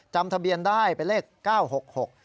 จำทะเบียนได้เป็นเลข๙๖๖